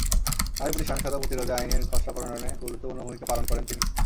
নারীর প্রতি সহিংসতা প্রতিরোধে আইনের খসড়া প্রণয়নে গুরুত্বপূর্ণ ভূমিকা পালন করেন তিনি।